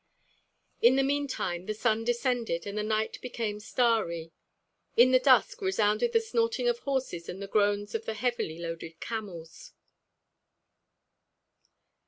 In the meantime the sun descended and the night became starry. In the dusk resounded the snorting of horses and the groans of the heavily loaded camels.